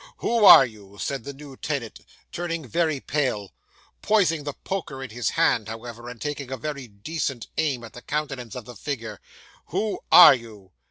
"Who are you?" said the new tenant, turning very pale; poising the poker in his hand, however, and taking a very decent aim at the countenance of the figure. "Who are you?"